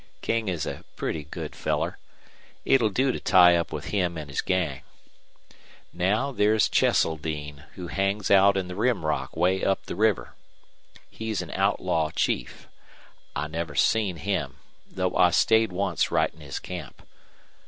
King is a pretty good feller. It'll do to tie up with him ant his gang. Now, there's Cheseldine, who hangs out in the Rim Rock way up the river. He's an outlaw chief. I never seen him, though I stayed once right in his camp.